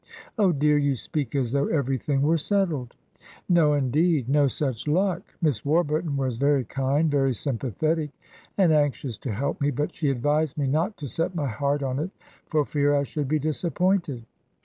"Oh, dear, you speak as though everything were settled." "No, indeed, no such luck. Miss Warburton was very kind, very sympathetic, and anxious to help me; but she advised me not to set my heart on it for fear I should be disappointed.